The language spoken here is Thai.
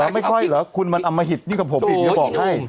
ไม่ค่อยเหรอคุณมันอำมหิตนี่กับผมอีกบอกให้